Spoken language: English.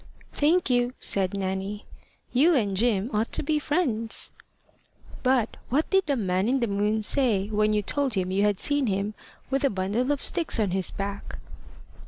"Thank you," said Nanny. "You and Jim ought to be friends." "But what did the man in the moon say, when you told him you had seen him with the bundle of sticks on his back?"